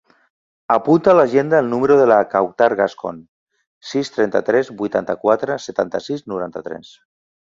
Apunta a l'agenda el número de la Kawtar Gascon: sis, trenta-tres, vuitanta-quatre, setanta-sis, noranta-tres.